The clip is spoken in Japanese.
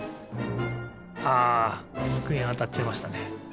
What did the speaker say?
あつくえにあたっちゃいましたね。